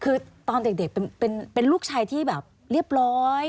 คือตอนเด็กเป็นลูกชายที่แบบเรียบร้อย